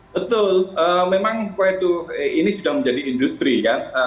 betul memang ini sudah menjadi industri kan